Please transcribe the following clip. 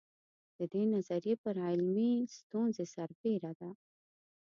د دې نظریې پر علمي ستونزې سربېره ده.